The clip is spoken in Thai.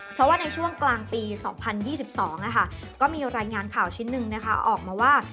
เพราะว่าในช่วงกลางปี๒๐๒๒ก็มีรายงานข่าวชิ้นหนึ่งนะคะออกมาว่า